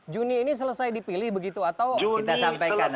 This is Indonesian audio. juni ini selesai dipilih begitu atau kita sampaikan